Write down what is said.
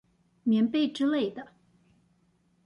棉被之類的